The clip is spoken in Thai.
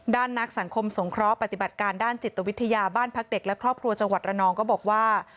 นักสังคมสงเคราะห์ปฏิบัติการด้านจิตวิทยาบ้านพักเด็กและครอบครัวจังหวัดระนองก็บอกว่า